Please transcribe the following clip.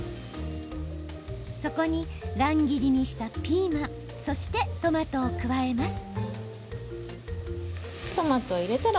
そこに乱切りにしたピーマンそして、トマトを加えます。